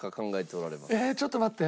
えちょっと待って。